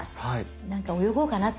何か泳ごうかなって。